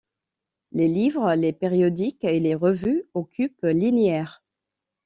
Les livres, les périodiques et les revues occupent linéaires.